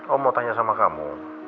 oh mau tanya sama kamu